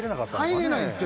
入れないんですよ